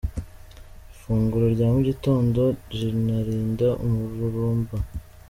Ifunguro rya mu gitondo rinarinda umururumba .